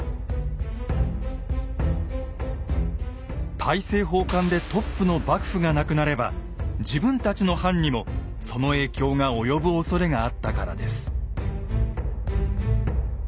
大政奉還でトップの幕府がなくなれば自分たちの藩にもその影響が及ぶおそれがあったからです。